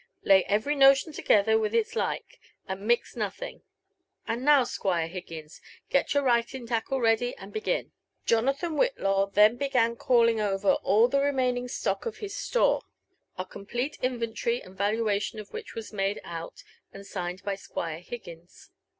Lay every notion together with iti lik^, and mix nothing. And now, Squire Higgius, get your writiog tacUe ready, and begin." Jonathan Whitlaw then began calling over all the remaining atoek of his store ; a complete inventory and valuation of which was made out, and signed by Squire Higgins.